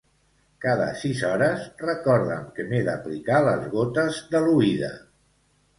Cada sis hores recorda'm que m'he d'aplicar les gotes de l'oïda.